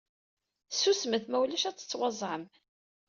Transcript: Susmet, ma ulac ad tettwaẓẓɛem!